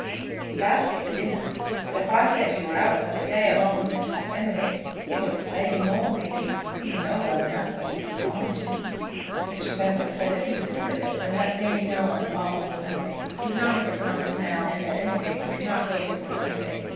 "He'd ask at dinner; but if I said you were out for the day along with Mr. Fenwick, he wouldn't say any more, maybe. He'd know well enough where you was gone to." Mr. Fenwick said that he would think of it, and let Fanny know on the following Sunday. He would not make a promise now, and at any rate he could not go before Sunday.